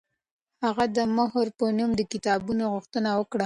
هغې د مهر په نوم د کتابونو غوښتنه وکړه.